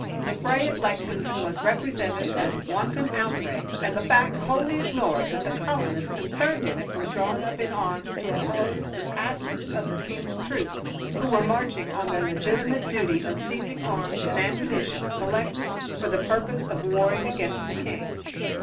The fray at Lexington was represented as a wanton outrage, and the fact wholly ignored that the colonists concerned in it were drawn up in arms to oppose the passage of the king's troops, who were marching on their legitimate duty of seizing arms and ammunition collected for the purpose of warring against the king.